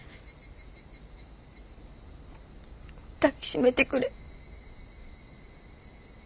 抱き締めてくれ。